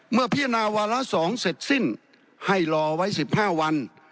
เมื่อพิจารณาวาระ๒เสร็จสิ้นให้รอไว้๑๕วัน